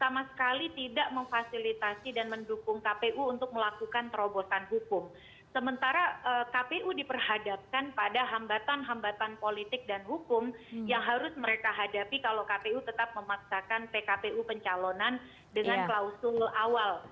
sementara kpu diperhadapkan pada hambatan hambatan politik dan hukum yang harus mereka hadapi kalau kpu tetap memaksakan pkpu pencalonan dengan klausul awal